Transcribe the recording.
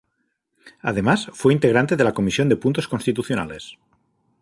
Además, fue integrante de la Comisión de Puntos Constitucionales.